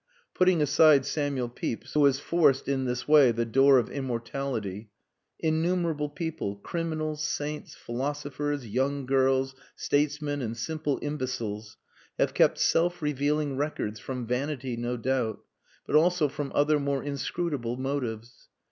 Putting aside Samuel Pepys, who has forced in this way the door of immortality, innumerable people, criminals, saints, philosophers, young girls, statesmen, and simple imbeciles, have kept self revealing records from vanity no doubt, but also from other more inscrutable motives.